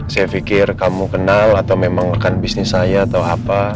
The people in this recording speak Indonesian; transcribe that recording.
saya pikir kamu kenal atau memang akan bisnis saya atau apa